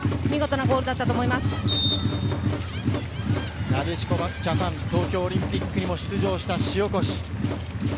なでしこジャパン、東京オリンピックにも出場した塩越。